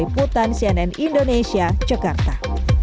putan cnn indonesia cekarta